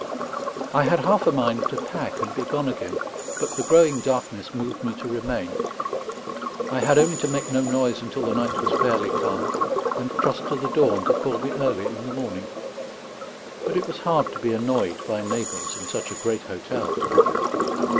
I had half a mind to pack and be gone again, but the growing darkness moved me to remain. I had only to make no noise until the night was fairly come, and trust to the dawn to call me early in the morning. But it was hard to be annoyed by neighbours in such a great hotel.